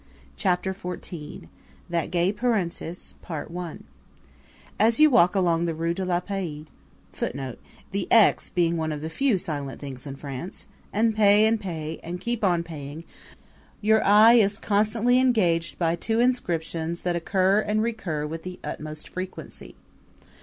Chapter XIV That Gay Paresis As you walk along the Rue de la Paix [Footnote: The X being one of the few silent things in France.] and pay and pay, and keep on paying, your eye is constantly engaged by two inscriptions that occur and recur with the utmost frequency.